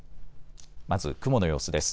まず雲の様子です。